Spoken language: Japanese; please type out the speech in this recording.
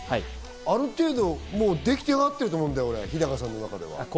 ある程度できあがってると思うんだ、日高さんの中で。